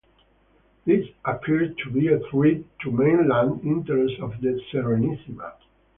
This appeared to be a threat to mainland interests of the Serenissima.